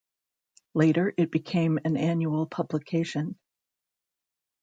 Later, it became an annual publication.